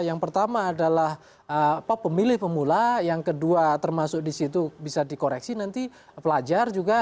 yang pertama adalah pemilih pemula yang kedua termasuk di situ bisa dikoreksi nanti pelajar juga